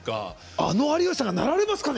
あの有吉さんがなられますかね？